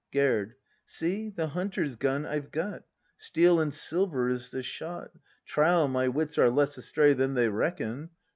Gerd. See, the hunter's gun I've got, Steel and silver is the shot; 'Trow, my wits are less astray Than they reckon!